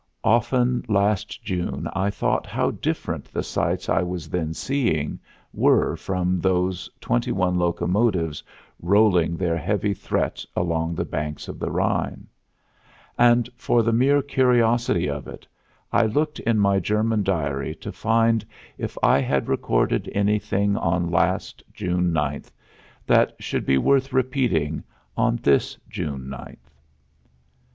Often last June I thought how different the sights I was then seeing were from those twenty one locomotives rolling their heavy threat along the banks of the Rhine. And, for the mere curiosity of it, I looked in my German diary to find if I had recorded anything on last June ninth that should be worth repeating on this June ninth.